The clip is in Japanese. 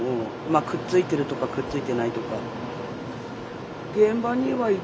くっついてるとかくっついてないとか。